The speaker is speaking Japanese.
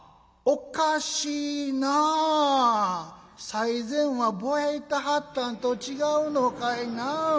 最前はぼやいたはったんと違うのかいなあ。